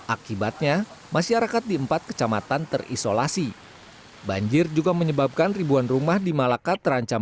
akibatnya masyarakat di empat kecamatan terisolasi banjir juga menyebabkan ribuan rumah di malaka terancam